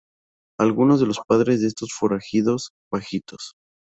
Algunos de los padres de estos forajidos bajitos